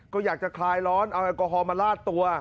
ก็อยากจะคลายร้อนเอาแอลกอฮอลมาลาดตัว